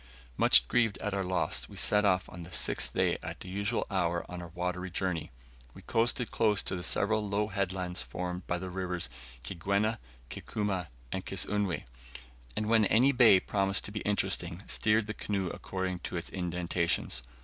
Much grieved at our loss, we set off on the sixth day at the usual hour on our watery journey. We coasted close to the several low headlands formed by the rivers Kigwena, Kikuma, and Kisunwe; and when any bay promised to be interesting, steered the canoe according to its indentations.